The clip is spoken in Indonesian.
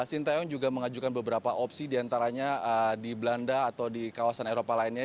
dan shin taeyong juga mengajukan beberapa opsi di antaranya di belanda atau di kawasan eropa lainnya